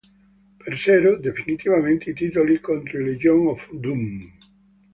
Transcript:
Persero definitivamente i titoli contro i Legion of Doom.